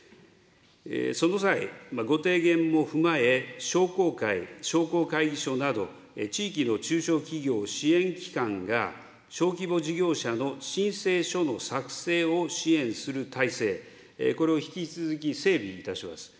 その際、ご提言も踏まえ、商工会、商工会議所など、地域の中小企業支援機関が、小規模事業者の申請書の作成を支援する体制、これを引き続き、整備いたします。